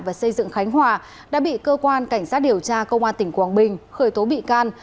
và xây dựng khánh hòa đã bị cơ quan cảnh sát điều tra công an tỉnh quảng bình khởi tố bị can